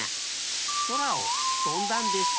そらをとんだんです。